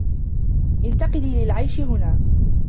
انتقلي للعيش هنا.